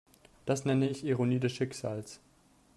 Das nenne ich Ironie des Schicksals.